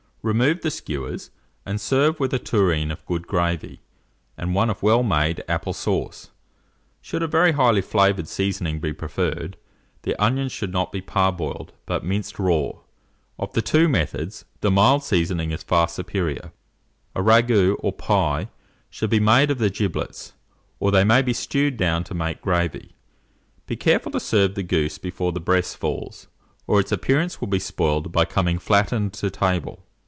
Remove the skewers, and serve with a tureen of good gravy, and one of well made apple sauce. Should a very highly flavoured seasoning be preferred, the onions should not be parboiled, but minced raw: of the two methods, the mild seasoning is far superior. A ragoût, or pie, should be made of the giblets, or they may be stewed down to make gravy. Be careful to serve the goose before the breast falls, or its appearance will be spoiled by coming flattened to table.